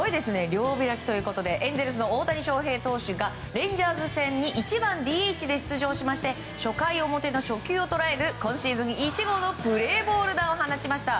両開きということでエンゼルスの大谷翔平投手がレンジャーズ戦に１番ＤＨで出場しまして初回表の初球を捉える今シーズン１号のプレーボール弾を放ちました。